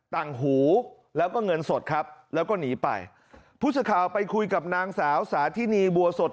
ต่างหูแล้วก็เงินสดครับแล้วก็หนีไปผู้สื่อข่าวไปคุยกับนางสาวสาธินีบัวสด